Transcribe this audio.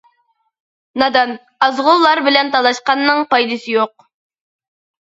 نادان، ئازغۇنلار بىلەن تالاشقاننىڭ پايدىسى يوق.